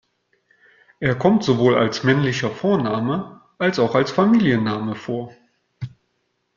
Er kommt sowohl als männlicher Vorname, als auch als Familienname vor.